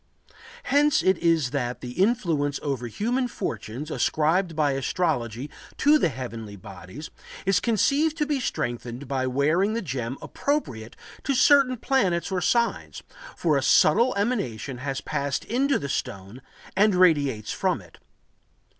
Hence it is that the influence over human fortunes ascribed by astrology to the heavenly bodies is conceived to be strengthened by wearing the gem appropriate to certain planets or signs, for a subtle emanation has passed into the stone and radiates from it.